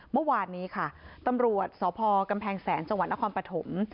เมื่อวานนี้ค่ะตำรวจสพกำแพงแสนจังหวัดนครปฐม